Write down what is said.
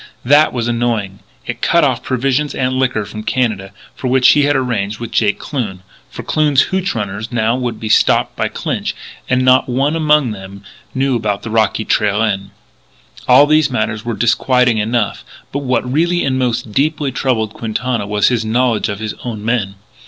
That was annoying; it cut off provisions and liquor from Canada, for which he had arranged with Jake Kloon. For Kloon's hootch runners now would be stopped by Clinch; and not one among them knew about the rocky trail in. All these matters were disquieting enough: but what really and most deeply troubled Quintana was his knowledge of his own men.